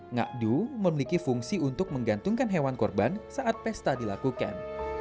ngakdu memiliki fungsi untuk menggantungkan hewan korban saat pesta dilakukan